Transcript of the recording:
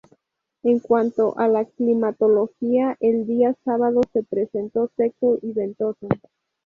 En cuanto a la climatología, el día sábado se presentó seco y ventoso.